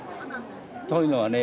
というのはね